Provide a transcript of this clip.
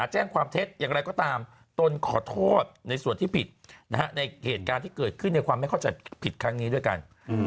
แจ้งความเท็จอย่างไรก็ตามตนขอโทษในส่วนที่ผิดในเหตุการณ์ที่เกิดขึ้นในความไม่เข้าใจผิดครั้งนี้ด้วยกัน